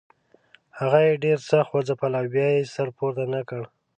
هغه یې ډېر سخت وځپل او بیا یې سر پورته نه کړ.